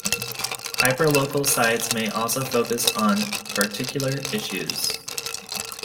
Hyperlocal sites may also focus on particular issues.